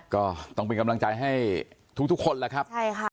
ก็ต้องเป็นกำลังใจให้ทุกทุกคนแหละครับใช่ค่ะ